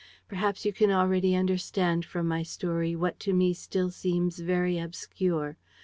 Perhaps you can already understand from my story what to me still seems very obscure.